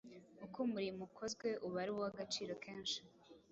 Uko umurimo ukozwe uba ari uw’agaciro kenshi